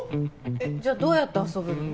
えっじゃあどうやって遊ぶの？